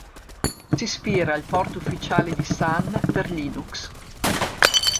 Si ispira al port ufficiale di Sun per Linux.